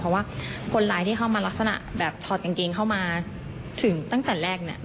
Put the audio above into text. เพราะว่าคนร้ายที่เข้ามาลักษณะแบบถอดกางเกงเข้ามาถึงตั้งแต่แรกเนี่ย